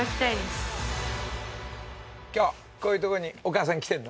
今日こういうとこにお母さん来てるの？